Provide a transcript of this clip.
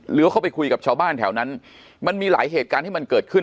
เข้าไปคุยกับชาวบ้านแถวนั้นมันมีหลายเหตุการณ์ที่มันเกิดขึ้น